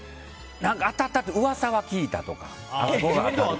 当たったって噂は聞いたとか。